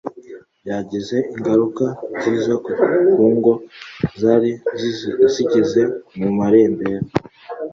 byagize ingaruka nziza ku ngo zari zigeze mu marembera